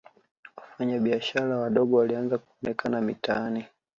wafanya biashara wadogo walianza kuonekana mitaani